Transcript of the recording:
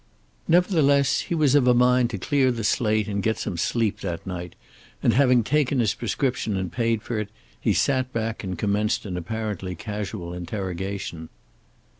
Nevertheless he was of a mind to clear the slate and get some sleep that night, and having taken his prescription and paid for it, he sat back and commenced an apparently casual interrogation.